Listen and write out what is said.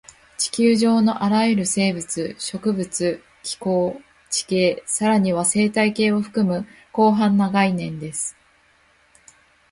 地球上のあらゆる生物、植物、気候、地形、さらには生態系を含む広範な概念です